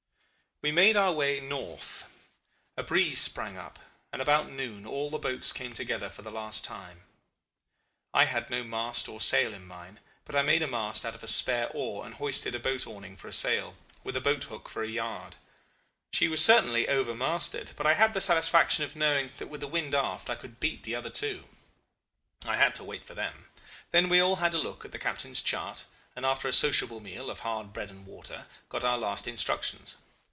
"We made our way north. A breeze sprang up, and about noon all the boats came together for the last time. I had no mast or sail in mine, but I made a mast out of a spare oar and hoisted a boat awning for a sail, with a boat hook for a yard. She was certainly over masted, but I had the satisfaction of knowing that with the wind aft I could beat the other two. I had to wait for them. Then we all had a look at the captain's chart, and, after a sociable meal of hard bread and water, got our last instructions.